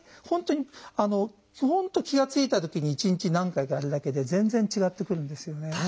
本当に本当気が付いたときに一日何回かやるだけで全然違ってくるんですよね。